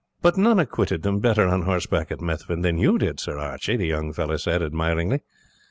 "But none acquitted them better on horseback at Methven than you did, Sir Archie," the young fellow said, admiringly.